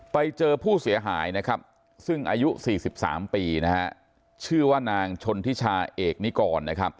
ไปเจอผู้เสียหายนะครับซึ่งอายุ๔๓ปีนะฮะชื่อว่านางชนทิชาเอกนิกรนะครับ